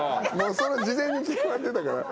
それ事前に決まってたから。